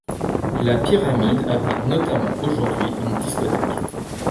La pyramide abrite notamment aujourd'hui une discothèque.